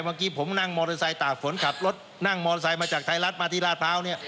เมื่อกี้ผมนั่งมอเตอร์ไซค์ตากฝนขับรถนั่งมอเตอร์ไซค์มาจากไทยรัฐมาที่ราชพร้าวเนี่ย